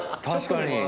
確かに。